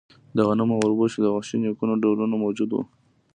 د غنمو او اوربشو د وحشي نیکونو ډولونه موجود وو.